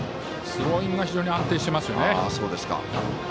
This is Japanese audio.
スローイングが非常に安定していますよね。